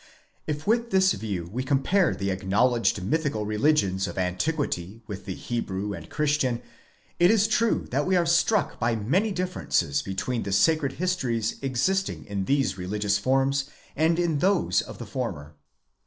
If with this view we compare the acknowledged mythical religions of antiquity with the Hebrew and Christian, it is true that we are struck by many differences between the sacred histories existing in these religious forms and those in the former.